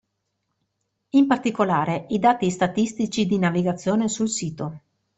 In particolare, i dati statistici di navigazione sul sito.